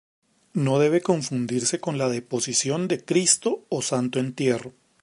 No debe confundirse con la deposición de Cristo o Santo Entierro.